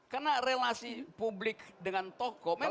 karena relasi publik dengan tokoh memang